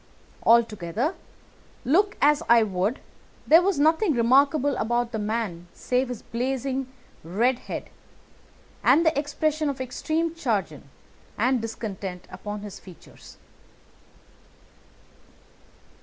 Altogether, look as I would, there was nothing remarkable about the man save his blazing red head, and the expression of extreme chagrin and discontent upon his features.